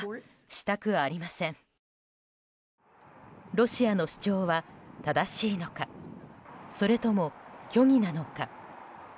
ロシアの主張は正しいのかそれとも虚偽なのか。